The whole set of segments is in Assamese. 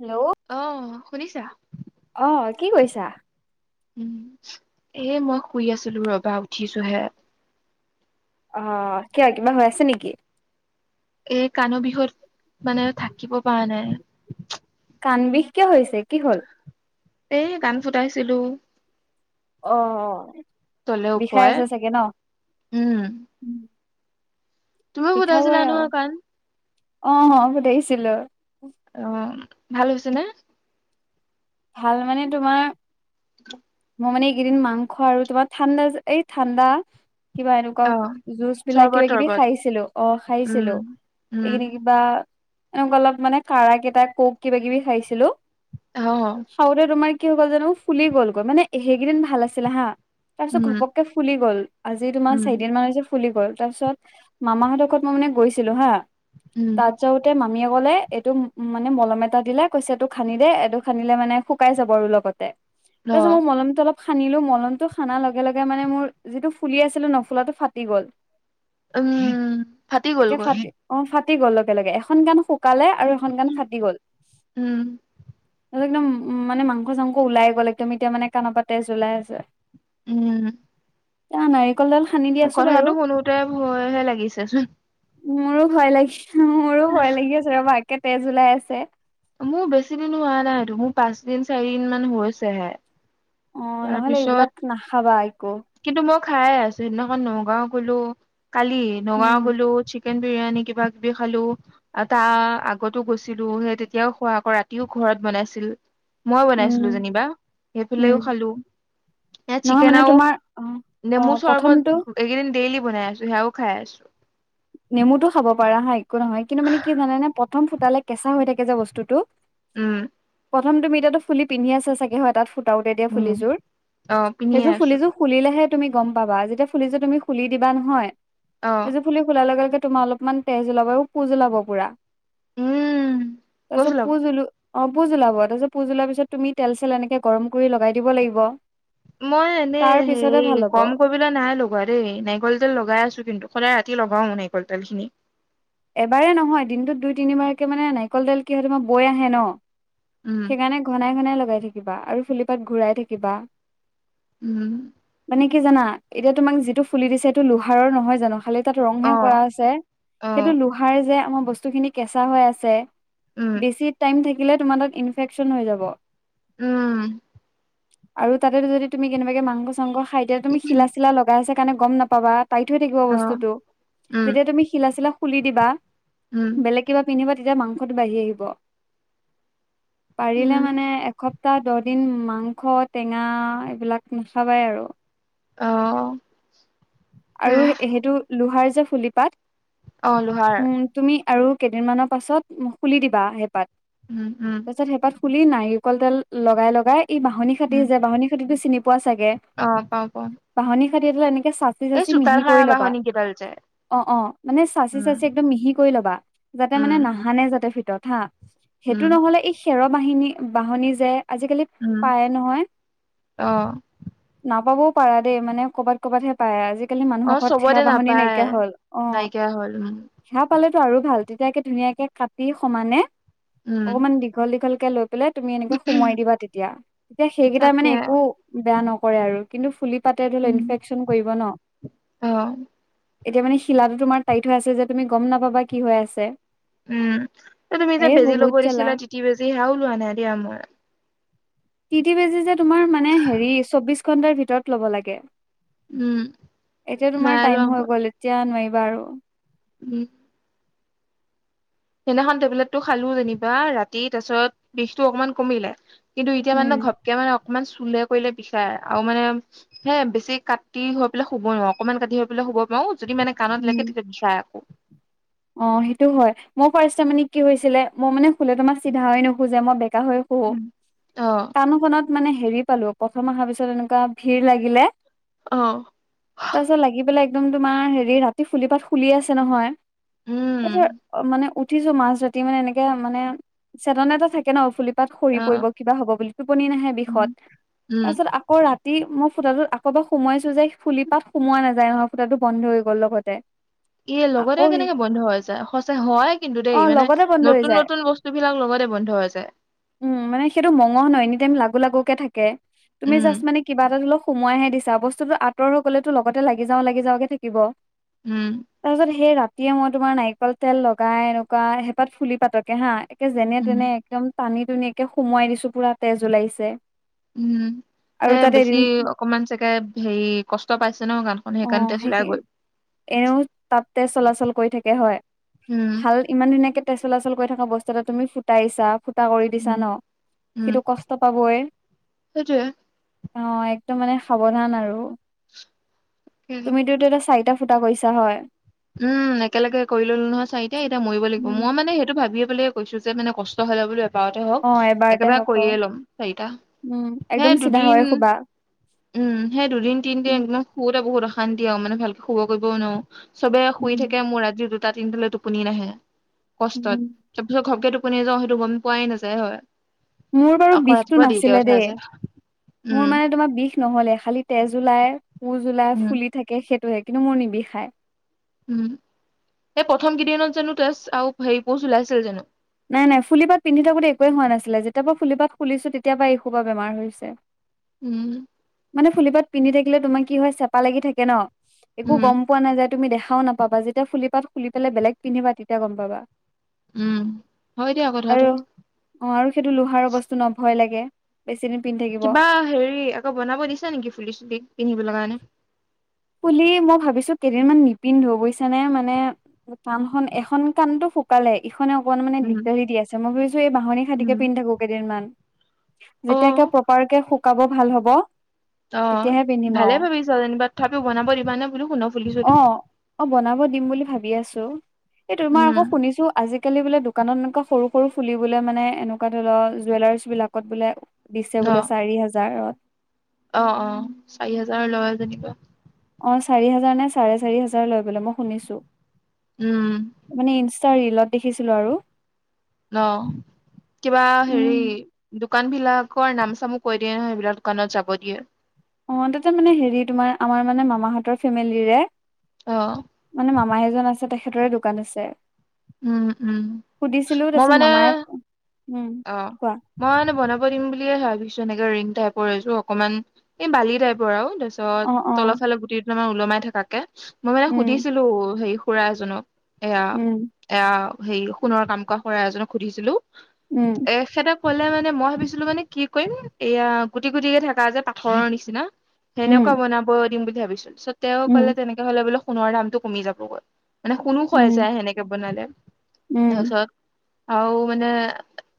হেল্ল' আহ শুনিছা? অ কি কৰিছা? উম এ মই শুই আছিলো ৰবা উঠিছোহে। অ কিয় কিবা হৈ আছে নেকি? এই কাণৰ বিষত মানে থাকিব পৰা নাই। কাণ বিষ কিয় হৈছে? কি হ'ল? এ কাণ ফুটাইছিলো। অ অ তলে বিষাই ওপৰে আছে চাগে ন? উম তুমিও ফুটাইছিলা বিষাবই নোহ আৰু কাণ? অ অ ফুটাইছিলো। অ ভাল হৈছে নে? ভাল মানে তোমাৰ [inaudible] মানে এইকেইদিন মাংস আৰু তোমাৰ ঠাণ্ডা এই ঠাণ্ডা কিবা এনেকুৱা অ জুচ বিলাক চৰ্বত কিবা কিবি তৰ্বত খাইছিলো, অ উম খাইছিলো। উম এইখিনি কিবা এনেকুৱা অলপ মানে ক কেইটা কক কিবা কিবি খাইছিলো। অ খাওঁতে তোমাৰ কি হৈ গ'ল জানো ফুলি গ'লগৈ, মানে সেইকেইদিন ভাল আছিলে হা। তাৰ পিছত উম ঘপকে ফুলি গ'ল, আজি তোমাৰ উম চাৰিদিন মান হৈছে ফুলি গ'ল। তাৰপিছত মামা সতঁৰ ঘৰত মানে মই গৈছিলো হা, উম তাত যাওঁতে মামীয়ে কলে এইটো মানে মলম এটা দিলে, কৈছে এইটো সানি দে এইটো সানিলে মানে শুকাই যাব আৰু লগতে। অ তাৰপাত মই মলমতো অলপ সানিলো মলমতটো সানাৰ লগে লগে মানে মোৰ যিটো ফুলি আছিলো নফুলাটো ফাটি গ'ল। উম ফাটি গ'ল একে গৈ। ফাটি অ ফাটি গ'ল লগে লগে, এখন গান শুকালে আৰু এখন গান ফাটি গ'ল। উম ত একদম মানে মাংস-চাংস ওলাই গ'ল একদম এতিয়া মানে কানৰ পাত তেজ ওলাই আছে। উম। [unintelligible] দি আছো বাৰু। কথাটো শুনোতে ভয়হে লাগিছেচোন। মোৰো ভয় লাগি মোৰো ভয় লাগি আছে ৰবা একে তেজ ওলাই আছে। মোৰ বেছি দিন হোৱা নাইত মোৰ পাঁচ দিন চাৰি দিন মান হৈছেহে। অ' নহলে তাৰপিছত এইবিলাক নাখাবা একো। খাই আছো সেইদিনাখন নগাঁও গ'লো কালি নগাঁও উম, গ'লো চিকেন বিৰিয়ানী কিবা কিবি খালো তাৰ আগতো গৈছিলো সেই তেতিয়াও খোৱাক ৰা ও ঘৰত বনাইছিল মই বনাইছিলো উম, যেনিবা উম। সেইফালেও লু এয়া নহয় চিকেন মানে আৰু তোমাৰ অ', নেমু অ' প্ৰথমটো চৰবত একেইদিন ডেইলি বনাই আছো সেয়াও খাই আছোঁ। নেমুটো খাব পাৰা হা একো নহয় কিন্তু মানে কি জানে নে প্ৰথম ফুটালে কেঁচা হৈ থাকে যে বস্তুটো উম। প্ৰথম তুমি টা ফুলি পিন্ধি আছ ছাগে হয় তাত তও তেতিয়া ফুলিযোৰ অ পিন্ধিয়ে সেযোৰ আছো ফুলিযোৰ খুলি লেহে তুমি গম পাবা যেতিয়া ফুলিযুৰ তুমি খুলি দিবা নহয় অ সেইযোৰ ফুলি তাৰ লগে লগে তোমাৰ অলপমান তেজ ওলাব আৰু পুজ ওলাব পুৰা। উম তছ কৈছো লাভ পূজ লো অ' পুজ ওলাব তাৰপিছত পুজ ওলাৰ পিছত তুমি তেল চেল এনেকে গৰম কৰি লগাই দিব লাগিব। মই এনেই তাৰ হে পিছতে ভাল হ'ব গম কৰিবলৈ নাই লগোৱা দেই নাৰিকল যে লগাই আছো কিন্তু সদায় ৰা [unintelligible] তেল খিনি। এবাৰে নহয় দিনটোত দুই তিনিবাৰকে মানে নাৰিকল তেল কি হয় তোমাৰ বৈ আহে ন'। উম সেইকাৰণে ঘনাই ঘনাই লগাই থাকিবা আৰু ফিলিপাত ঘূৰাই থাকিবা। উম। নে কি জানা, এতিয়া তোমাক যিটো ফুলি দিছে, হেইটো লোহাৰৰ নহয় জানো? খালী তাত ৰংহে কৰা অ' আছে, সেইটো অ' লোহাৰ যে আমাৰ বস্তু খিনি কেঁচা হৈ আছে। উম বেছি টাইম থাকিলে, তোমাৰ তাত ইনফেকচন হৈ যাব। উম। আৰু তাতে যদি, তুমি কেনেবাকে মাংস চাংস খাই দিয়া, তুমি শিলা চিলা লগাই আছা কাৰণে গম নাপাবা। টাইট হৈ থাকিব অ' বস্তুটো। উম যেতিয়া তুমি শিলা চিলা খুলি দিবা, উম বেলেগ কিবা পিনহিবা তেতিয়া মাংসটো বাঢ়ি আহিব। পাৰিলে উম মানে, এশ তাহ দহ দিন মাংস, টেঙা এইবিলাক নাখাবাই আৰু। অহ। আৰু সেইটো লোহাৰ যে ফুলি পাত। অ' লোহাৰ উম, তুমি আৰু কেইদিন মানৰ পাছত খুলি দিবা সেই পাত। উম, উম। খুলি নাৰিকল তেল লগাই লগাই এই বাহনী কাঠি উম যে, বাহনী কাঠিটো চিনি পোৱা চাগে? অ' পাওঁ পাওঁ বাহনী কাঠি এডালে এনেকে চাচি এই চাচি মিহি চোতাল কৰি সাৰা ল'বা। বাহনি কেইডাল যে অ', অ'। মানে উম চাচি-চাচি একদম মিহি কৰি লবা, যাতে মানে, উম নাহানে যাতে ভিতৰত। হা। সেইটো উম নহলে এই খেৰ বাহিনী, বাহনী যে। আজিকালি উম পায় নহয়। অ' নাপাবৌ পৰা দেই, মানে কৰ'বাত কৰ'বাত হে পাই, আজি কালি মানুহৰ অ' ঘৰত সেৱা চবতে বাহনি নাপায় নাইকিয়া হ'ল, অ'। নাইকিয়া হ'ল উম সেৱা পালেটো টো আৰু ভাল। তেতিয়া একে ধুনীয়াকে কাটি সমানে উম অকণমান দীঘল দীঘল কে লৈ পেলাই তুমি এনেকে সোমোৱাই দিবা তেতিয়া। তেতিয়া সেইকেইটা মানে তাকে একো, বেয়া নকৰে আৰু। কিন্তু ফুলি পাতে ধৰিলোৱা উম ইনফেকচন কৰিব ন'? অ' এতিয়া মানে শিলাটো তোমাৰ টাইট হৈ আছে যে, তুমি গম নাপাবা কি হৈ আছে। উম। তুমি এ যে বেজি বহুত ল'ব জ্বালা দিছিলা? তিতি বেজি, সেয়াও লোৱা নাই দিয়া মই। টিটি বেজি যে তোমাৰ মানে হেৰি, চবিশ ঘন্টাৰ ভিতৰত লব লাগে। উম এতিয়া তোমাৰ নাই লোৱা টাইম হৈ মই গ'ল, এতিয়া নোৱাৰিবা আৰু। উম। সেইদিনাখন টেবলেটটো খালো যেনিবা, ৰাতি তাৰপিছত বিষতটো অকমান কমিলে। কিন্তু এতিয়া উম মানে, ঘপক মানে অক অকমান চুলে কৰিলে বিষাই, আৰু মানে হে বেছি কাটি হৈ পেলাই শুব নোৱাৰো। অকমান কাটি হৈ পেলাই শুব পাৰোঁ, যদি মানে কাণত লাগে তেতিয়া বিষাই আকৌ। অহ, সেইটো হয়। মোৰ ফাৰ্ষ্টে মানে কি হৈছিলে? মই মানে শুলে তোমাৰ চিধা হৈ নুশুযে, মই বেকা বেকা হৈ শুওঁ, উম অ কানখনত মানে হেৰি পালোঁ, প্ৰথম অহাৰ পিছত এনেকুৱা ভিৰ লাগিলে। অ তাৰপিছত লাগি পেলাই একদম তোমাৰ, হেৰি ৰাতি ফুলি পাত খুলি আছে নহয়। উম তাৰপিছত এ মানে উঠিছোঁ মাজৰাতি, মানে এনেকে মানে, চেতন এটা থাকে ন' ফুলিপাত পাত অ সৰি পৰিব, কিবা হ'ব বুলি, টোপনি নাহে উম বিষত। উম তাৰপিছত আকৌ ৰাতি ৰাতি মই ফুটাটোত আকৌ এবাৰ সোমোৱাইছো যে ফুলি পাত, সোমোৱা নাযায় নহয়, ফুটাটো বন্ধ হৈ গ'ল লগতে। ইয়ে, লগতে আকৌ সেই কেনেকে বন্ধ- বন্ধ হৈ যায়, সঁচা হয় কিন্তু দেই, অ মানে লগতে বন্ধ হৈ যায় নতুন-নতুন বস্তুবিলাক লগতে বন্ধ হৈ যায়। উম, মানে সেইটো মঙহ ন, এনি টাইম লাগু, লাগুকে থাকে। তুমি উম জাষ্ট মানে কিবা এটা ধৰিলোৱা সোমোৱাই হে দিছা, বস্তুতো আঁতৰ হৈ গলেটো লগতে লাগি যাওঁ, লাগি যাওঁকে থাকিব। উম তাৰপিছত সেই ৰাতিয়ে মই তোমাৰ নাৰিকল তেল লগাই, এনেকুৱা সেইপাত ফুলি পাতকে হা, একে উম যেনে-তেনে একদম টানি-টুনি একে সুমোৱাই দিছোঁ পুৰা তেজ ওলাইছে। উম। আৰু এ তাত বেছি, এদিন অকমান চাগে হেৰি, কষ্ট পাইছে ন' কানখন সেইকাৰণতে ওলাই গ'ল। এনেইও তাত তেজ চলাচল কৰি থাকে হয়? উম ভাল ইমান ধুনীয়াকে তেজ চলাচল কৰি থকা, বস্তু এটা তুমি ফুটাইছা। ফুটা কৰি দিছা উম ন' উম, সিটো কষ্ট পাবই। সেইটোয়ে অহ, একদম মানে সাৱধান আৰু তুমিতো এতিয়া চাৰিটা ফুটা কৰিছা হয়। উম, একেলগে কৰি ললো নহয় চাৰিটা, এতিয়া মৰিব লাগিব। উম। মই মানে সেইটো ভাবি এই বুলিয়ে কৈছোঁ যে, মানে কষ্ট হ'লে বুলি বাৰতে অ হওঁক, এবাৰতে একেবাৰে হক কৰিয়ে ল'ম চাৰিটা। উম একদম সেই চিধা হৈ দুদিন শুবা উম, সেই দুদিন তিনদিন উম একদম শুওতে বহুত অশান্তি আৰু মানে ভালকে শুব কৰিবওঁ নোৱাৰোঁ। চবে শুই থাকে মোৰ ৰাতি দুটা তিনিটালৈ টোপনি নাহে কষ্টত। উম। তাৰপিছত ঘপকে টোপ টোপনি যাওঁ সেইটো গম পোৱাই নাযায় হয়। মোৰ বাৰু আকৌ বিষটো ৰাতিপুৱা দেৰিকে নাছিলে উঠা দেই, যায় উম মোৰ মানে তোমাৰ বিষ নহ'লে। খালি তেজ ওলাই, পুজ ওলাই, উম, ফুলি থাকে, সেইটোয়ে কিন্তু মোৰ নিবিষাই। উম, এই প্ৰথম কেইদিনত জানোঁ তেজ আৰু হেৰি পুজ ওলাইছিল জানোঁ। নাই, নাই। ফুলিপাত পিন্ধি থাকোতে একোৱেই হোৱা নাছিলে। যেতিয়াৰ পৰা ফুলিপাত খুলিছোঁ তেতিয়াৰ পৰা এই সোপা বেমাৰ হৈছে। উম। মানে ফুলিপাত পিন্ধি থাকিলে তোমাৰ কি হয়, চেপা লাগি থাকে ন' একো উম, গম পোৱা নাযায়। তুমি দেখাওঁ নাপাবা, যেতিয়া ফুলি পাত খুলি পেলাই বেলেগ পিন্ধিবা তেতিয়া গম পাবা। উম। হয় দিয়া কথাটো। আৰু অহ, আৰু সেইটো লোহাৰ বস্তু ন' ভয় লাগে। বেছিদিন পিন্ধি থাকিব কিবা হেৰি আকৌ বনাব দিছা নেকি ফুলি-চুলি পিন্ধিবলৈ কাৰণে। ফুলি মই ভাবিছোঁ কেইদিমান নিপিন্ধো বুজিছা নে, মানে কাণখন এখন কাণটো শুকালে ইখনে অকনমান উম, দিগদাৰি দি আছে, মই ভাবিছোঁ এই বাঢ়হনী উম, খাতিকে পিন্ধি থাকো কেইদিনমান। যেতিয়াকে অ', প্ৰপাৰকে শুকাব ভাল হ'ব। অহ, তেতিয়াহে পিন্ধিম ভালে আৰু ভাবিছা যেনিবা থ তথাপি বনাবা দিবা নে সোণৰ অ ফুলি-চলি। অ বনাব দিম বুলি ভাবি আছোঁ। এই তোমাৰ আকৌ শুনিছোঁ আজিকালি বোলে দোকানত এনেকুৱা সৰু সৰু ফুলি বোলে মানে এনেকুৱা ধৰিলোৱা জুৱেলাৰ্চবিলাকত বোলে দিছে বোলে চাৰি হাজাৰত। অহ', অহ'। চাৰি হাজাৰ লয় যেনিবা। হয় চাৰি হাজাৰ নে ছাৰে চাৰি হাজাৰ লয় বোলে মই শুনিছোঁ উম, এটা ৰিলত দেখিছিলোঁ আৰু অহ কিবা উম হেৰি দোকান বিলাকৰ নাম চামো কৈ দিয়ে নহয় সেইবিলাক দোকানত যাব দিয়ে অ', তাতে মানে হেৰি তোমাৰ আমাৰ মানে মামাহঁতৰ ফেমিলিৰে অ', মানে মামা এজন আছে তেখেতৰে দোকান আছে উম, উম, সুধিছিলো মই তাৰপিছত মানে মামাই উম অ', কোৱা মইা এনে বনাম বনাব দিম বুলিয়ে ভাবিছোঁ এনেকে ৰিং টাইপৰ এযোৰ অকমান এই বালি টাইপৰ আৰু তাৰিছত অ অ তলৰ ফালৰ গুটি দুটা মান ওলমাই থাকাকে মই মানে উম সুধিছিলোঁ হেৰি খুৰা এজনক এয়া উম এয়া সেই সোণৰ কাম কৰা এজনক সুধিছিলোঁ উম এখেতে ক'লে মানে মই ভাবিছিলোঁ মানে কি কৰিম এয়া গুটি গুটিকে থাকা যে পাথৰৰ নিচিনা উম সেনেকুৱা বনাব দিম বুলি ভাবিছিলোঁ পাছত তেওঁ উম কলে তেনেকে হলে বোলো সোণৰ দামটো কমি যাবগৈ মানে সুণো ক্ষ‌ই উম যায় সেনেকে বনালে উম তাৰপিছত আৰু মানে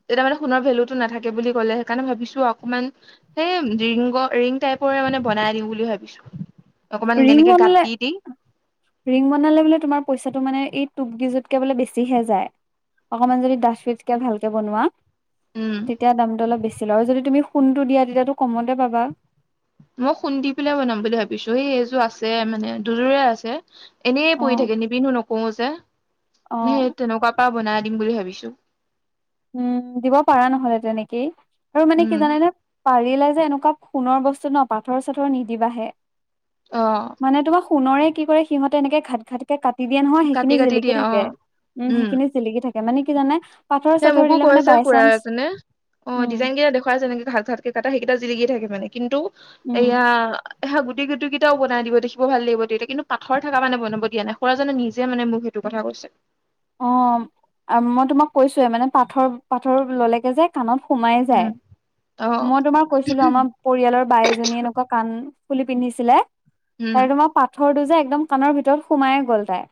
তেতিয়া মানে সোণৰ ভেলুটো নাথাকে বুলি ক'লে সেইকাৰণে ভাবিছোঁ অকণমান সেই ৰিংগ ৰিং টাইপৰ মানে বনাই দিওঁ বুলি ভাবিছোঁ ৰিং বনালে ৰিং বনালে বোলে তোমাৰ পইচাটো মানে এই টোপ দিয়াতকে বোলে বেছিহে যায় অকণমান যদি ডাষ্টবিটকে ভালকে বনোৱা উম তেতিয়া দামটো অলপ বেছি ল‌ই আৰু যদি তুমি সোণটো দিয়া তেতিয়াতো কমতে পাবা মই সোণ দি পেলাই বনাম বুলি ভাবিছোঁ সেই এইযোৰ আছে মানে দুযোৰে আছে এনেই অ পৰি থাকে নিবিন্িনো নকওঁও যে অ সেই তেনেকুৱা পৰা বনাই দিম বুলি ভাবিছো উম দিব পাৰা নহলে তেনেকেই আৰু মানে কি উম জানে ন পাৰিলে যে এনেকুৱা সোণৰ বস্তু ন পাথৰ চাথৰ নিদিবাহে আহ, সুণৰে কি কৰে সিহঁতে এনেকে ঘাত ঘাতকে কাট দি দিয়া নহয় কাটি সেইখিনি কাটি জিলিকি দিয়ে অ থাকে উম সেইখিনি জিলিকি থাকে মানে কি জানে পাথৰ হেই চাথৰ মোকো দিলে মানে কৈছে বাই খুৰাাৰ চান্স এজনে অ', উম ডিজাইন কেইটা দেখুৱাই আছে এনেকে ভাত চাতকে কাটা সেইকেইটা জিলিকিয় থাকে মানে কিন্তু উম এয়া এহ গট গুট কেইটাও বাই দিব দেখিব ভাল লাগিব তেতিয়া কিু পাথৰ থকা মানে বন দিয়া নেুৰাজনে নিজে মানে মোক সেইটো কথা কৈছে অ', মই তোমাক কৈছয়ে মানে পাথৰ পাথৰ ল'লেগে যে কাণত সোমাই যায় উম। অ মই তোমাৰ কৈছিলো আমাৰ পৰিয়ালৰ বাই এজনী এনেকুৱা কাণ খুলি পিন্ধিছিলে তাই উম তোমাৰ পাথৰটো যে একদম কাণৰ ভিতৰত সোমাই গ'ল তাই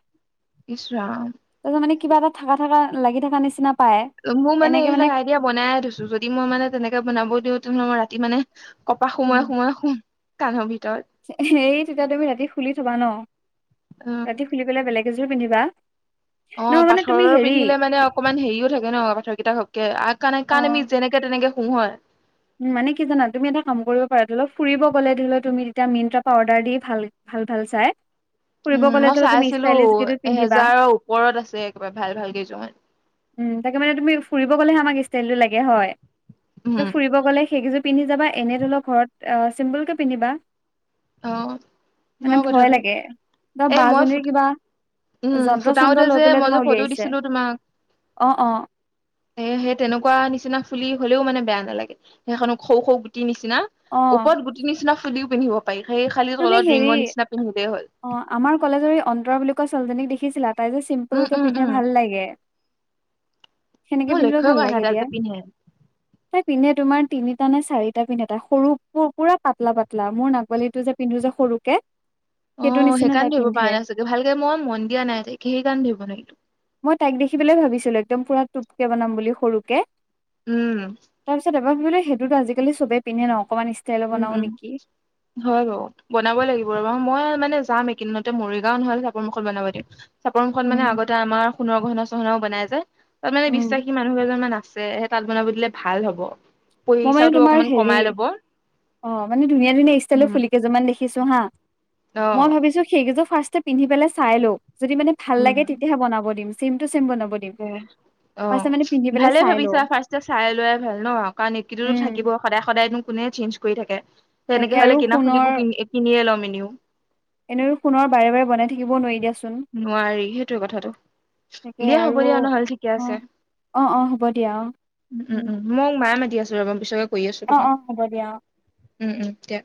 ইছৰাাম তাৰপিছত মানে কিবা এটা থকা থকা লাগি থকা নিচিনা পায়। মোৰ মানে এইবিলাক আইডিয়া বনাই থৈছো যদি মই মানে তেনেকে বনাব দিওঁ তেনেহ'লে মই ৰাতি মানে কপা সোমৰে সোমাই সোম কান্ধৰবি এই তেতিয়া তুমি ৰাতি খুলি থবা ন অ ৰাতি খুলি পেললে বেলেগ এযোৰ পিন্ধিবা অ নহয় মানে তুমি পাথৰ হেৰি পিন্ধিলে মানে কি অকনমান হেৰিও থাকে ন পথৰ কেইটা সবকে কাণ কা অ', আমি যেনেকে তেনেকে নহয় মানে কি জানা তুমি এটা কাম কৰিব পাৰা ধৰি ল ফুৰিব গ'লে ধৰি লও তুমি তেতিয়া মি্ৰা পাউদাৰ দি ভাল ভাল ভাল চাই ফুৰিব উম, মই গ'লেতো তুমি চাইছিলো ষ্টাইলিছ কেইযোৰ পিন্ধিবা এহেজাৰৰ ওপৰত আছে একবাৰে ভাল ভাল কেইযোৰমান উম, তাকে মানে তুমি ফুৰিব গ'লেহে আমাক ষ্টাইলটো লাগে হয় উম, ত ফুৰিব গ'লে সেইকেইযোৰ পিন্ধি যা এনে ধৰি লও ঘৰত চিম্পুলকে পিন্ধিবা অ' মানে হয় ভয় কথাটো লাগে ত এই মই বজনীৰ ফুট কিবা উম, যন্ত্ৰ ফুটাওতে চন্ত্ৰ যে লৈ পেলাই মই যে তোমাৰ ফটো উলিয়াইছে দিছিলো তোমাক অ', অ'। এ সেই তেনেকুৱা নিচিনা ফুলি হলেও মানে বেয়া নালাগে সেইখনক খৌ খৌ গুটি নিচিনা অ নিচিনা ওপৰত গুটি নিচিনা ফুলিও পিন্ধিব পাৰি সেই খালি তুমি তলত হেৰি ৰিঙৰ নিচিনা পিন্ধিলেই হ'ল। অ' আমাৰ কলেজৰ অন্তৰা বুলি কোৱা ছোৱালীজনীক দেখিছিলা। তাই যে চিম্পল উম, কে উম, পিন্ধে উম, ভাল লাগে। সেনেকে মোৰ পিন্ধিলেও লক্ষ্যই ভাল কৰা লাগে নাই তাই এতিয়া। যে পিন্ধে। তাই পিন্ধে তোমাৰ তিনিটা নে চাৰিটা এটা পিন্ধা এটা সৰু পুৰা পাতলা পাতলা মোৰ নাগবালিটো যে পিন্ধো যে সৰুকে। অ' সেইটো নিচিনা সেইকাৰণে তাই ধৰিব পিন্ধে পৰা নাই চাগে ভালকে মই মন দিয়া নাই তাকে সেইকাৰণে ধৰিব নোৱাৰিলো। মই তাইক দেখি পেলাই ভাবিছিলো একদম পুৰা টোপকে বনাম বুলি সৰুকে। উম। [unintelligible] সেইটো আজিকালি চবেই পিন্ধে ন। অকমান ষ্টাইলৰ উম, বনাও উম নেকি হয় বাৰু। বনাবই লাগিব আৰু মই মানে যাম এইকেইদিনতে মৰিগাঁও নহ'লে কাপৰ মুখত বনাব দিম। চাপৰ খন মানে উম আগতে আমাৰ সোণৰ গহনা চহনাও বনাই যে তাত মানে উম বিশ্বাসী মানুহ এজন মান আছে। সেই তাত বনাব দিলে ভাল হব মই মানে পইচাটো তোমাৰ অকমান হেৰি কমাই লব। অ' মানে ধুনীয়া ধুনীয়া ষ্টাইল উম ফুলি কেইযুৰি মান দেখিছো হা অ মই ভাবিছো সেইকেইযোৰ ফাৰ্ষ পিন্ধি পেলাই চাই লও যদি মানে ভাল লাগে তেতিয়াহে বনাব দিম চিমটো ত' পিন্ধি অ' পেলাই ভালে চাই ভাবিছা লও ফাৰ্ষ চাই লোৱ ভাল ন কাৰণ তো থাকিব উম সদায় সদায় কোনে চেঞ্জ কৰি থাকে তেনেে তাকে আৰু হলে কিনা খুল কো কিনে ল'ম ই [unintelligible] এনে সোণৰ বাৰে বাৰে বনাই থাকিব নোৱাৰ দিয়াচোন। নোৱাৰি তাকেই আৰু নহ'ল ঠিকে অ আছে অ অ হ'ব দিয়া উম, উম, উম মই মায়ে মাতি আছে ৰবা [unintelligible] অ', অ' হ'ব দিয়া অ'। উম, উম দিয়া।